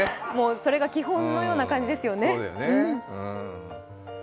それが基本のような感じですよね。